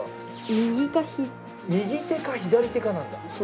右手か左手なんだ。